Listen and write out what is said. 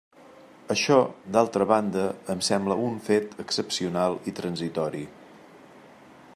Això, d'altra banda, em sembla un fet excepcional i transitori.